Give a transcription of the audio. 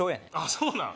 そうなん？